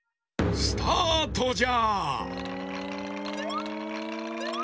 スタートじゃ！